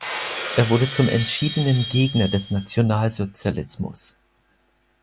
Er wurde zum entschiedenen Gegner des Nationalsozialismus.